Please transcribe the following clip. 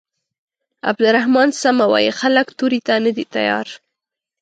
عبدالرحمن سمه وايي خلک تورې ته نه دي تيار.